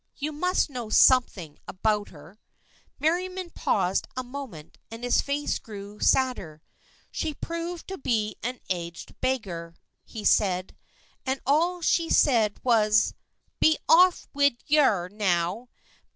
You must know something about her." Merriam paused a moment and his face grew sadder. " She proved to be an aged beggar," he said, " and all she said was, ' Be off wid yer, now.